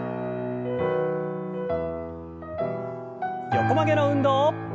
横曲げの運動。